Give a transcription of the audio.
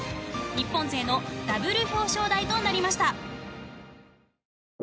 日本勢のダブル表彰台となりました。